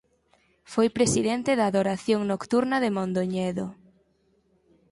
Foi presidente da Adoración Nocturna de Mondoñedo.